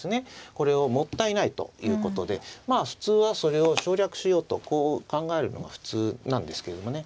これをもったいないということで普通はそれを省略しようとこう考えるのが普通なんですけどもね。